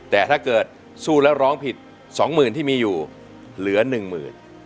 แต่ถ้าเกิดสู้แล้วร้องผิดสองหมื่นที่มีอยู่เหลือหนึ่งหมื่น